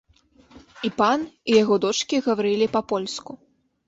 І пан, і яго дочкі гаварылі па-польску.